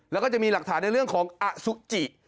แล้วก็จะมีหลักฐานในเรื่องของอสุจิ